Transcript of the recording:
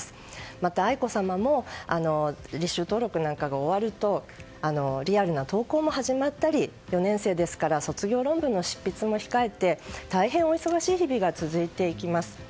また、愛子さまも履修登録などが終わるとリアルな登校も始まったり４年生ですから卒業論文の執筆も控えて大変お忙しい日々が続いていきます。